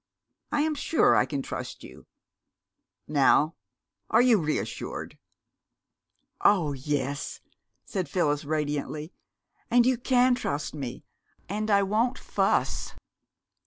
I am sure I can trust you. Now are you reassured?" "Oh, yes," said Phyllis radiantly, "and you can trust me, and I won't fuss.